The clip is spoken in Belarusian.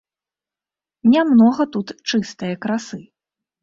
Нямнога тут чыстае красы.